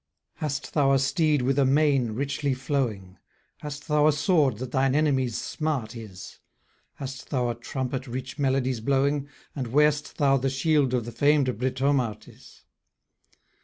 Hast thou a steed with a mane richly flowing? Hast thou a sword that thine enemy's smart is? Hast thou a trumpet rich melodies blowing? And wear'st thou the shield of the fam'd Britomartis?